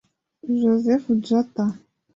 Joseph Jatta